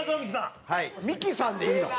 「ミキさん」でいいの？